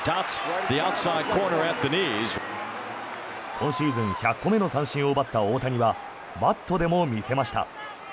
今シーズン１００個目の三振を奪った大谷はバットでも見せました。